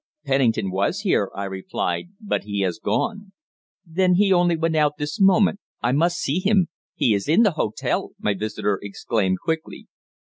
"Pennington was here," I replied, "but he has gone." "Then he only went out this moment! I must see him. He is in the hotel!" my visitor exclaimed quickly.